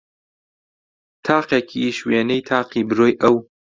تاقێکیش وێنەی تاقی برۆی ئەو